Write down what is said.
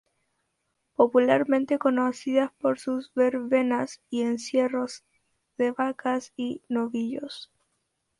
Popularmente conocidas por sus verbenas y encierros de vacas y novillos.